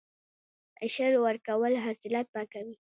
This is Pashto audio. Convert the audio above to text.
عشر ورکول حاصلات پاکوي.